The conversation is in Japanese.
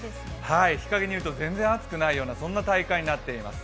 日陰にいると、全然暑くないようなそんな体感になっています。